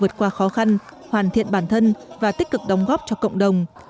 vượt qua khó khăn hoàn thiện bản thân và tích cực đóng góp cho cộng đồng